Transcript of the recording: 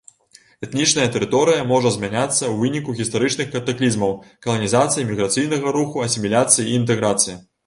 Этнічная тэрыторыя можа змяняцца ў выніку гістарычных катаклізмаў, каланізацыі, міграцыйнага руху, асіміляцыі і інтэграцыі.